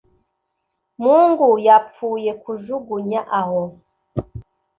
mungu yapfuye kujugunya aho.